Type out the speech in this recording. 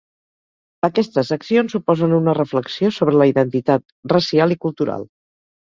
Aquestes accions suposen una reflexió sobre la identitat racial i cultural.